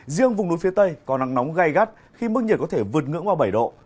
riêng vùng nút phía tây có nắng nóng gai gắt khi mức nhiệt có thể vượt ngưỡng qua bảy độ